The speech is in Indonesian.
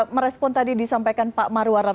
merespon tadi disampaikan pak marwarar